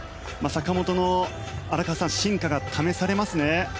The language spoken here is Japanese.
坂本の真価が試されますね。